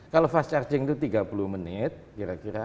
kalau fast charging itu tiga puluh menit kira kira